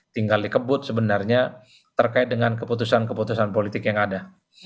tinggal dikebut sebenarnya terkait dengan keputusan keputusan politik yang ada